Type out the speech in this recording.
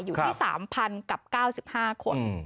อยู่ที่๓๐๐กับ๙๕คน